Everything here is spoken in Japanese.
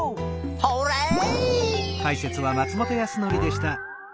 ホーレイ！